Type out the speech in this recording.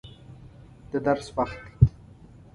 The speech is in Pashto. د درس وخت دی.